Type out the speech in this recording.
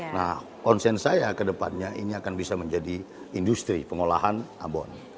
nah konsen saya ke depannya ini akan bisa menjadi industri pengolahan abon